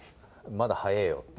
まだ早えよって。